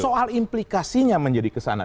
soal implikasinya menjadi ke sana